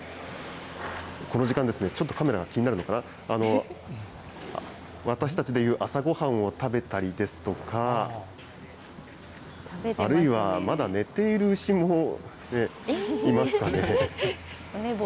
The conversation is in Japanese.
この時間、ちょっとカメラが気になるのかな、私たちでいう朝ごはんを食べたりですとか、あるいはまだ寝ている牛もいますかね。